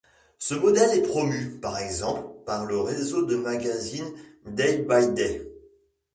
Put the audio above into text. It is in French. Ce modèle est promu, par exemple, par le réseau de magasins Day by day.